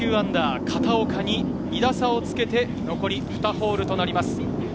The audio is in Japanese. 片岡に２打差をつけて残り２ホールとなります。